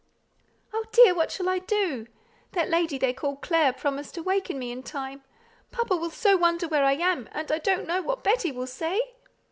"Oh, dear, what shall I do? That lady they call Clare promised to waken me in time. Papa will so wonder where I am, and I don't know what Betty will say."